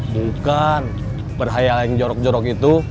bukan berhayal yang jorok jorok itu